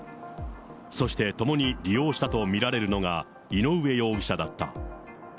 そして、共に利用したと見られるのが、井上容疑者だった。